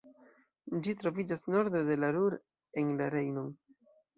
Ĝi troviĝas norde de la Ruhr en la Rejnon.